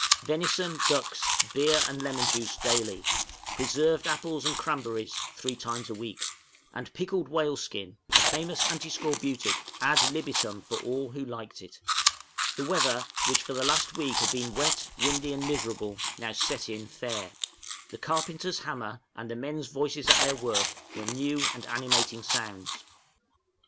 Venison, ducks, beer and lemon juice, daily; preserved apples and cranberries three times a week; and pickled whale skin a famous antiscorbutic ad libitum for all who liked it. The weather, which for the last week had been wet, windy, and miserable, now set in fair. The carpenter's hammer, and the men's voices at their work, were new and animating sounds.